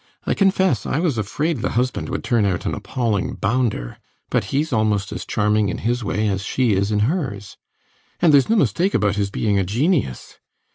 I confess I was afraid the husband would turn out an appalling bounder. But he's almost as charming in his way as she is in hers. And theres no mistake about his being a genius.